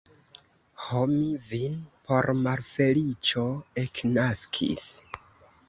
Ho, mi vin por malfeliĉo eknaskis.